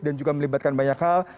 dan juga melibatkan banyak hal